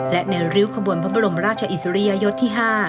และในริ้วขบวนพระบรมราชอิสริยยศที่๕